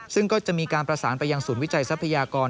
ซึ่งก็จะมีการประสานไปยังศูนย์วิจัยทรัพยากร